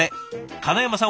金山さん